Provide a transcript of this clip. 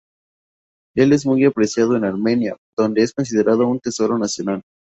Él es muy apreciado en Armenia, donde es considerado un "tesoro nacional".